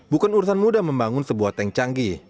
bukan urusan mudah membangun sebuah tank canggih